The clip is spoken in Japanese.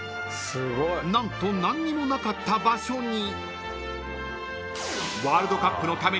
［何と何にもなかった場所に］